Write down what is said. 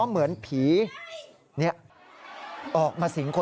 สายลูกไว้อย่าใส่